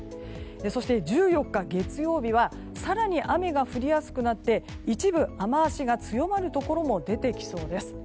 そして、１４日月曜日は更に雨が降りやすくなって一部、雨脚が強まるところも出てきそうです。